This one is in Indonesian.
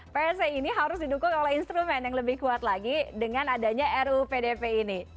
pse ini harus didukung oleh instrumen yang lebih kuat lagi dengan adanya ruu pdp ini